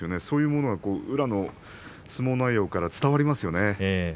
そういうのが宇良の相撲内容から伝わりますよね。